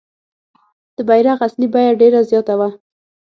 د بیرغ اصلي بیه ډېره زیاته وه.